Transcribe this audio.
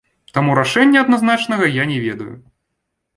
Таму рашэння адназначнага я не ведаю.